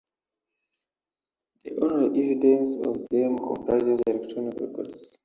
The only evidence of them comprises electronic records.